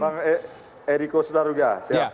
bang eriko sudah rugah